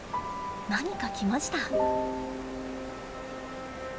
何か来ました。